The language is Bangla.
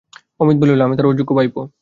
অমিত বললে, আমি তাঁর অযোগ্য ভাইপো।